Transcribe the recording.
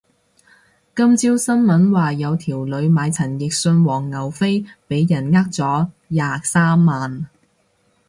今朝新聞話有條女買陳奕迅黃牛飛俾人呃咗廿三萬